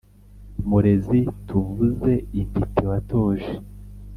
Murezi tuvuze intiti watoje